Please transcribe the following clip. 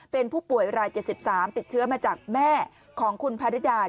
เป็นผู้ป่วยราย๗๓ติดเชื้อมาจากแม่ของคุณพาริดา